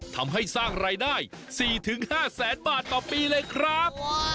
ทำให้สร้างรายได้๔๕แสนบาทต่อปีเลยครับ